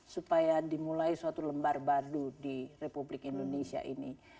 supaya dimulai suatu lembar badu di republik indonesia ini